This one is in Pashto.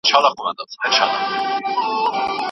که د ژورې تحلیل لاري پتې سي، نو مسؤولیتونه لا زیات مهم کیږي.